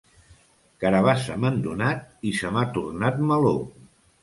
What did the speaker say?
Carabassa m'han donat i se m'ha tornat meló.